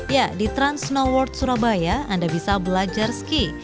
ya di trans snow world surabaya anda bisa belajar ski